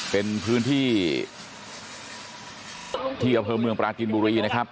เป็นพื้นที่ที่อำเภอเมืองปราจินบุรีนะครับ